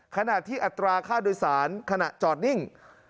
ขณะที่อัตราค่าโดยสารขณะจอดนิ่ง